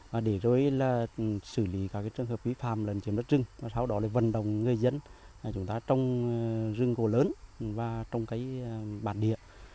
vì sử lý các trường hợp bí phạm lần chiếm đất rừng sau đó vận động người dân chúng ta trồng rừng gỗ lớn và trồng cây bản địa